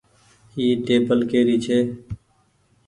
اي ٽيبل ڪري ڇي ۔